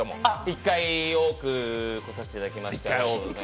１回多く来させていただきました。